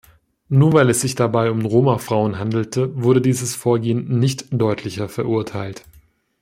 Nur, weil es sich dabei um Roma-Frauen handelte, wurde dieses Vorgehen nicht deutlicher verurteilt.